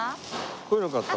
こういうの買った。